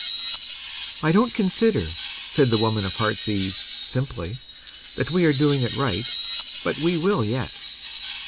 "I don't consider," said the woman of Heartsease, simply, "that we are doing it right, but we will yet."